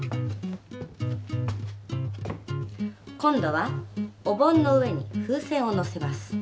今度はお盆の上に風船をのせます。